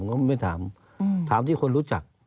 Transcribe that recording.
ก็ไม่ถามถามที่คนรู้จัก